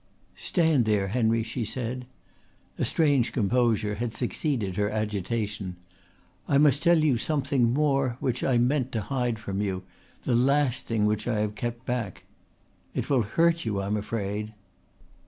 "Stand there, Henry," she said. A strange composure had succeeded her agitation. "I must tell you something more which I had meant to hide from you the last thing which I have kept back. It will hurt you, I am afraid."